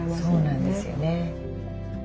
そうなんですよね。